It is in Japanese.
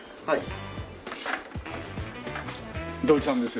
はい。